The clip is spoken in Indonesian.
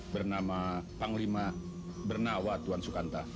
bernama panglima bernawa tuan sukanta